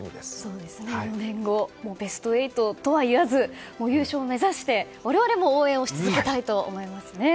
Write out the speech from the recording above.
ベスト８とはいわず優勝を目指して我々も応援をし続けたいと思いますね。